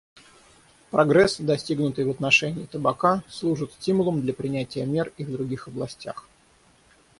Прогресс, достигнутый в отношении табака, служит стимулом для принятия мер и в других областях.